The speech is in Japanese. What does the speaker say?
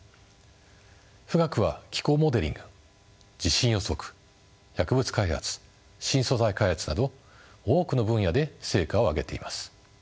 富岳は気候モデリング地震予測薬物開発新素材開発など多くの分野で成果を上げています。